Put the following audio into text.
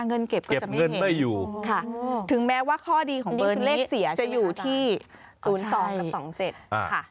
เงินเก็บก็จะไม่เห็นค่ะถึงแม้ว่าข้อดีของเบอร์นี้จะอยู่ที่๐๒และ๒๗